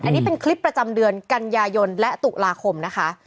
อันนี้เป็นคลิปประจำเดือนกันยายนและตุลาคมนะคะ